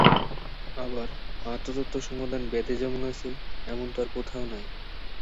আবার আত্মতত্ত্ব-সমাধান বেদে যেমন আছে, এমন তো আর কোথাও নাই।